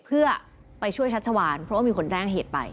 เพื่อไปช่วยชัชวานเพราะว่ามีคนแจ้งเหตุไป